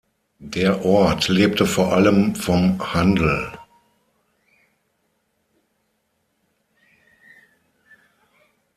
Der Ort lebte vor allem vom Handel.